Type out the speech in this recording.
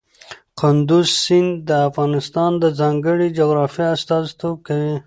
کندز سیند د افغانستان د ځانګړي جغرافیه استازیتوب کوي.